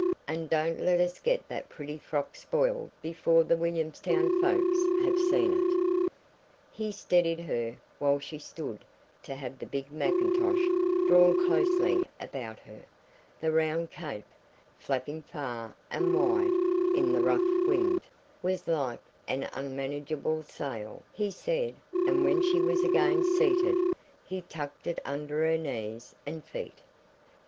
And don't let us get that pretty frock spoiled before the Williamstown folks have seen it." He steadied her while she stood to have the big macintosh drawn closely about her the round cape, flapping far and wide in the rough wind, was like an unmanageable sail, he said and when she was again seated, he tucked it about her knees and feet.